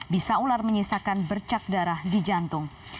bisa ular menyisakan bercak darah di jantung